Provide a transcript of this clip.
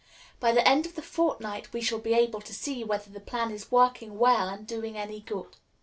By the end of the fortnight we shall be able to see whether the plan is working well and doing any good."